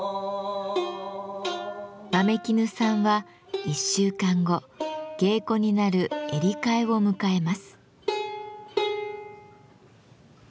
まめ衣さんは１週間後芸妓になる「衿替え」を迎えます。